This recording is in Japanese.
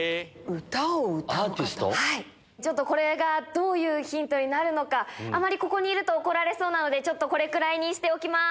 これがどういうヒントになるのかあまりいると怒られそうなのでこれくらいにしておきます。